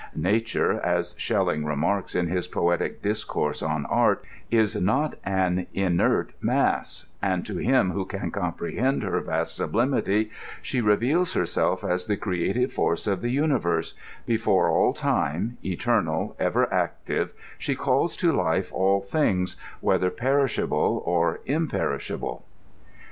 '* Na ture," as Schelling remarks in his poetic discourse on art, *'is 4iot an inert mass ; and to him who can comprehend her vast sublimity, she reveals herself as the creative force of the uni verse—before all time, eternal, ever active, she calls to life all things, whether perishable or imperishable.''